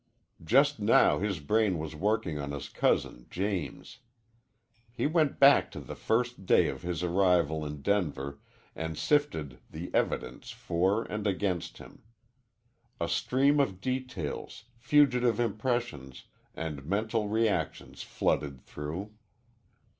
Just now his brain was working on his cousin James. He went back to the first day of his arrival in Denver and sifted the evidence for and against him. A stream of details, fugitive impressions, and mental reactions flooded through.